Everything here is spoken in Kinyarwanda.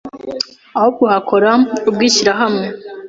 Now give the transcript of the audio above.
ahubwo hakora ubw’ishyirahamwe